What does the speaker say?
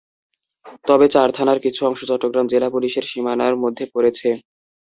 তবে চার থানার কিছু অংশ চট্টগ্রাম জেলা পুলিশের সীমানার মধ্যে পড়েছে।